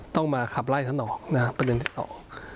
ต้องมาขับไล่ท่านออกนะฮะประเด็นที่สอง